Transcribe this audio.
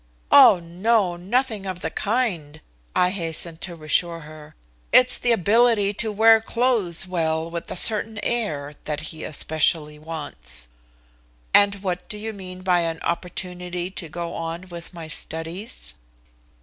"Oh, no, nothing of the kind," I hastened to reassure her. "It's the ability to wear clothes well with a certain air, that he especially wants." "And what do you mean by an opportunity to go on with my studies?"